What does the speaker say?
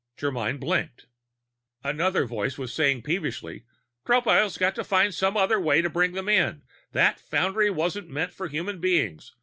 Germyn blinked. Another voice said peevishly: "Tropile's got to find some other place to bring them in. That foundry isn't meant for human beings.